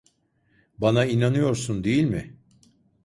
Bana inanıyorsun, değil mi?